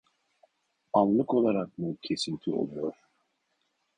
Anlık olarak mı kesinti oluyor